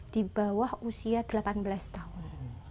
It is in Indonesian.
di bawah usia delapan belas tahun